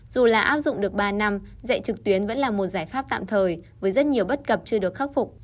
dù là áp dụng được ba năm dạy trực tuyến vẫn là một giải pháp tạm thời với rất nhiều bất cập chưa được khắc phục